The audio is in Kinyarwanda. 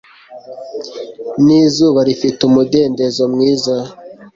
ni izuba rifite umudendezo mwiza